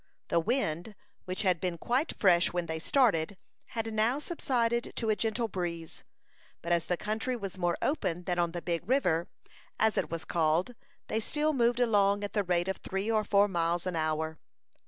The wind, which had been quite fresh when they started, had now subsided to a gentle breeze; but as the country was more open than on the Big River, as it was called, they still moved along at the rate of three or four miles an hour.